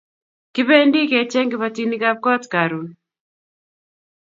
Kipendi ke cheng kipatinik ab kot karun